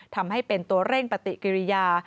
ทำให้เป็นตัวเร่งปฏิกิริยา